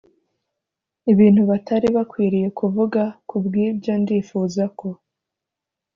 ibintu batari bakwiriye kuvuga ku bw ibyo ndifuza ko